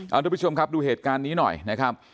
เอาทุกผู้ชมครับดูเหตุการณ์นี้หน่อยนะครับ